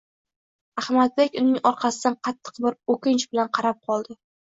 Ahmadbek uning orqasidan qattiq bir o’kinch bilan qarab qoldi.